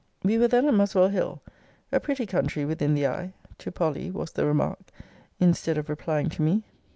We were then at Muswell hill: a pretty country within the eye, to Polly, was the remark, instead of replying to me.